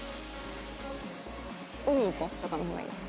「海行こう」とかの方がいいです。